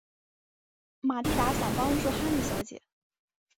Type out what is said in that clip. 玛蒂达想帮助哈妮小姐。